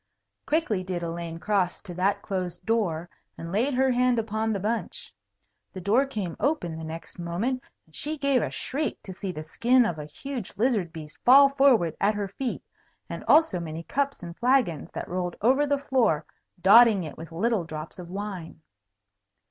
Quickly did Elaine cross to that closed door, and laid her hand upon the bunch. The door came open the next moment, and she gave a shriek to see the skin of a huge lizard beast fall forward at her feet, and also many cups and flagons, that rolled over the floor, dotting it with little drops of wine.